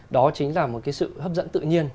đó chính là một sự hấp dẫn tự nhiên